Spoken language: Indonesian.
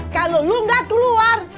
kalau lu gak keluar